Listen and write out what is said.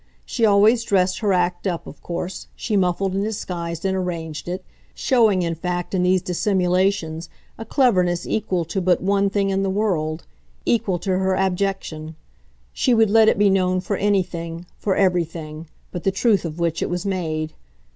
She always dressed her act up, of course, she muffled and disguised and arranged it, showing in fact in these dissimulations a cleverness equal to but one thing in the world, equal to her abjection: she would let it be known for anything, for everything, but the truth of which it was made.